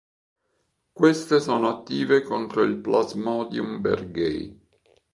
Queste sono attive contro il "Plasmodium berghei".